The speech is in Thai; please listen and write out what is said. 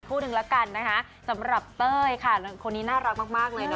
พูดหนึ่งแล้วกันนะคะสำหรับเต้ยค่ะคนนี้น่ารักมากมากเลยเนอะ